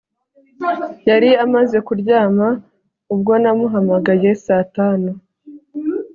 Yari amaze kuryama ubwo namuhamagaye saa tanu